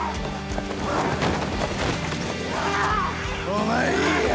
お前いいよ。